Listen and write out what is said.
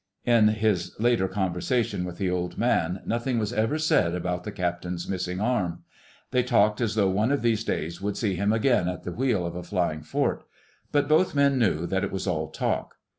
In his later conversations with the Old Man, nothing was ever said about the Captain's missing arm. They talked as though one of these days would see him again at the wheel of a flying fort. But both men knew that it was all talk.